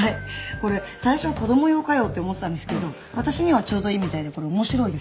これ最初は子ども用かよって思ってたんですけど私にはちょうどいいみたいで面白いです。